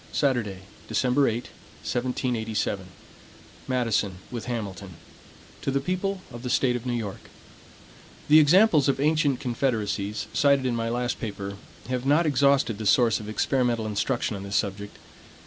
Saturday, December 8, 1787 MADISON, with HAMILTON To the People of the State of New York: THE examples of ancient confederacies, cited in my last paper, have not exhausted the source of experimental instruction on this subject.